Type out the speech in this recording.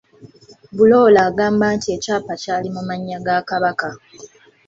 Bulola agamba nti ekyapa kyali mu mannya ga Kabaka